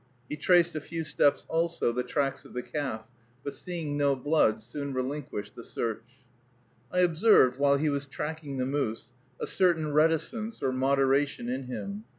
He traced a few steps, also, the tracks of the calf; but, seeing no blood, soon relinquished the search. I observed, while he was tracking the moose, a certain reticence or moderation in him.